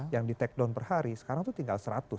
yang di take down per hari sekarang itu tinggal seratus